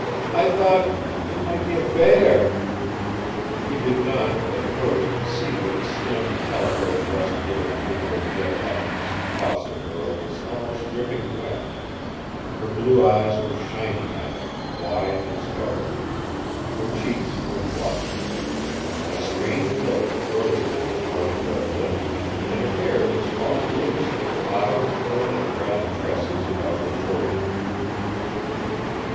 "I thought it might be a bear!" He did not, at first, see that the slim, calico dressed little figure of Jed Hawkins' foster girl was almost dripping wet. Her blue eyes were shining at him, wide and startled. Her cheeks were flushed. A strange look had frozen on her parted red lips, and her hair was falling loose in a cloud of curling brown tresses about her shoulders.